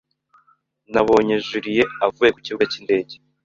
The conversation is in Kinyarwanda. Nabonye Julie avuye ku kibuga cy'indege.